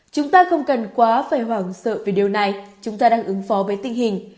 chúng ta không cần quá phải hoảng sợ về điều này chúng ta đang ứng phó với tình hình